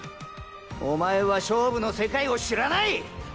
お前は勝負の世界を知らない！！